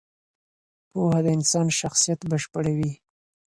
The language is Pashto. پوهه د انسان شخصیت بشپړوي.